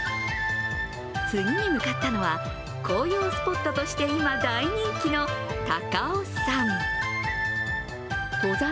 次に向かったのは、紅葉スポットとして今大人気の高尾山。